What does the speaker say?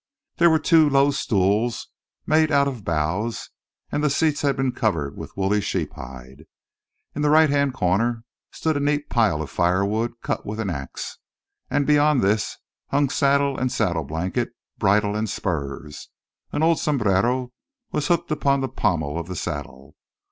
There were two low stools, made out of boughs, and the seats had been covered with woolly sheep hide. In the right hand corner stood a neat pile of firewood, cut with an ax, and beyond this hung saddle and saddle blanket, bridle and spurs. An old sombrero was hooked upon the pommel of the saddle.